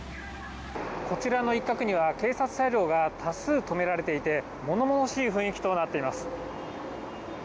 こちらの一角には、警察車両が多数止められていて、ものものしい雰囲気となっています。